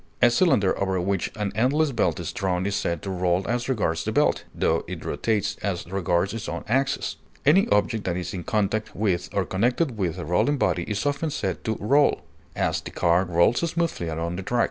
A cylinder over which an endless belt is drawn is said to roll as regards the belt, tho it rotates as regards its own axis. Any object that is in contact with or connected with a rolling body is often said to roll; as, the car rolls smoothly along the track.